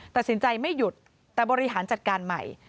ตัดสินใจไม่หยุดแต่บริหารจัดการใหม่